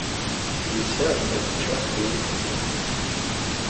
He serves as a Trustee of Inst.